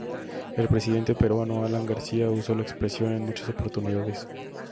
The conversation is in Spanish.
El presidente peruano Alan García usó la expresión en muchas oportunidades.